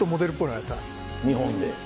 日本で。